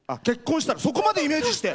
そこまでイメージして。